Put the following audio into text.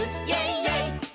イェイ！